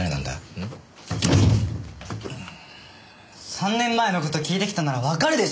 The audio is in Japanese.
３年前の事聞いてきたならわかるでしょ！